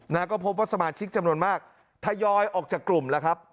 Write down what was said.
นะก็พบว่าสมาชิกจำนวนมากทยอยออกจากกลุ่มแล้วครับ